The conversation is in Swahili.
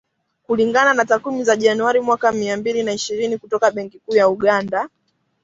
Kulingana na takwimu za Januari mwaka mia mbili na ishirini kutoka Benki Kuu ya Uganda.